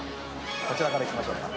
こちらから行きましょうか。